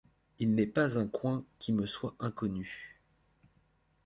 Il n'est pas un coin qui me soit inconnu.